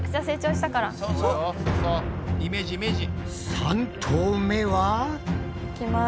３投目は？いきます。